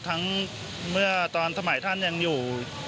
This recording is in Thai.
เมื่อตอนสมัยท่านยังอยู่